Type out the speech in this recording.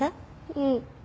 うん。